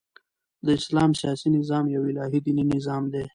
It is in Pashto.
د اسلام سیاسي نظام یو الهي دیني نظام دئ.